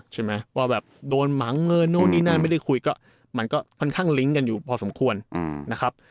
ใช่ไหมว่าแบบโดนหมังเงินนู่นนี่นั่นไม่ได้คุยก็มันก็ค่อนข้างลิงก์กันอยู่พอสมควรนะครับ